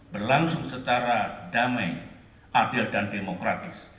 berlangsung secara damai adil dan demokratis